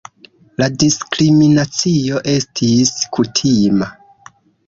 La diskriminacio estis kutima.